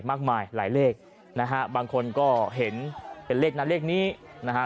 มากมายหลายเลขนะฮะบางคนก็เห็นเป็นเลขนั้นเลขนี้นะฮะ